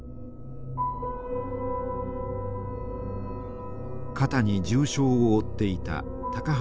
肩に重傷を負っていた高橋富松さん。